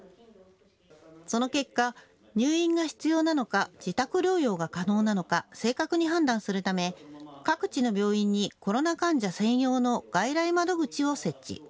その結果、入院が必要なのか自宅療養が可能なのか正確に判断するため、各地の病院にコロナ患者専用の外来窓口を設置。